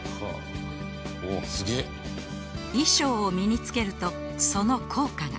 「すげえ」衣装を身につけるとその効果が